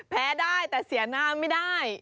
แพ้ได้แต่เสียหน้าไม่ได้